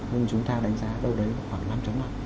nên chúng ta đánh giá đâu đấy khoảng năm năm